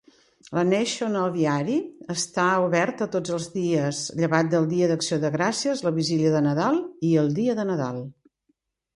La National Aviary està oberta tots els dies, llevat del dia d'Acció de gràcies, la vigília de Nadal i el dia de Nadal.